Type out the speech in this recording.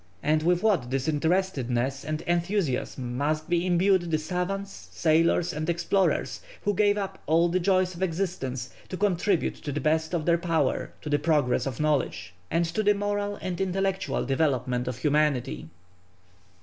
and with what disinterestedness and enthusiasm must be embued the savants, sailors, and explorers, who give up all the joys of existence to contribute to the best of their power to the progress of knowledge and to the moral and intellectual development of humanity.